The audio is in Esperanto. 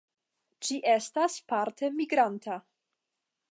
Ĝi estas parte migranta.